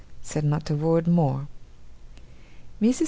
said not a word more. Mrs.